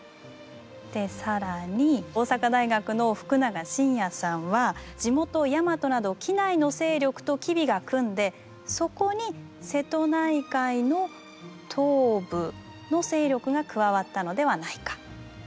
で更に大阪大学の福永伸哉さんは地元ヤマトなど畿内の勢力と吉備が組んでそこに瀬戸内海の東部の勢力が加わったのではないか。